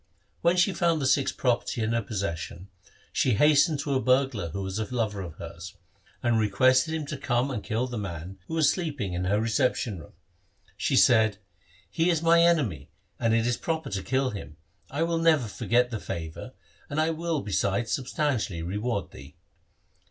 When she found the Sikh's property in her possession, she hastened to a burglar who was a lover of hers, and requested him to come and kill the man who was sleeping in her reception room. She said, ' He is my enemy and it is proper to kill him; I will never forget the favour, and I will besides substantially reward thee.'